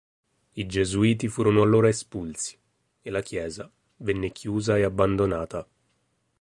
I Gesuiti furono allora espulsi e la chiesa venne chiusa e abbandonata.